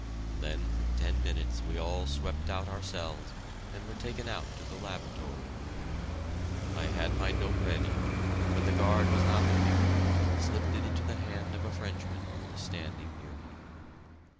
Then for ten minutes we all swept out our cells and were taken out to the lavatory. I had my note ready, and when the guard was not looking, slipped it into the hand of a Frenchman who was standing near me.